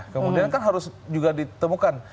kemudian kan harus juga ditemukan